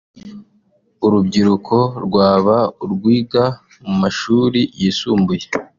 urubyiruko rwaba urwiga mu mashuri yisumbuye